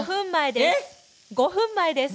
５分前です。